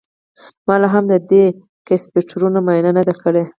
ما لاهم د دې کیپیسټرونو معاینه نه ده کړې